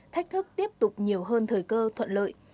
thách thức tiếp tục nhiều hơn thời cơ thuận lợi